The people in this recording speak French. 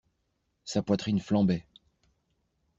Sa poitrine flambait.